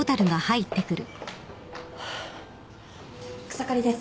草刈です。